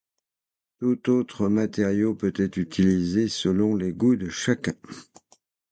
Tout autre matériau peut-être utilisé, selon les goûts de chacun.